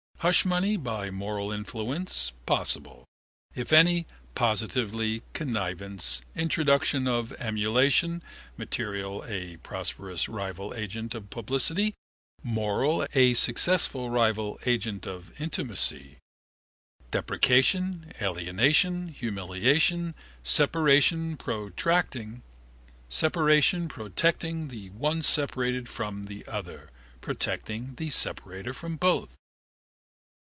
Hushmoney by moral influence, possibly. If any, positively, connivance, introduction of emulation (material, a prosperous rival agency of publicity: moral, a successful rival agent of intimacy), depreciation, alienation, humiliation, separation protecting the one separated from the other, protecting the separator from both.